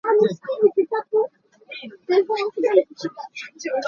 Zei thil paoh nih ning an ngei dih.